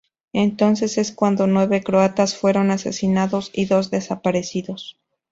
Entonces es cuando nueve croatas fueron asesinados y dos desaparecidos.